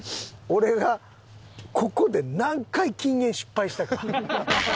俺がここで何回禁煙失敗したか。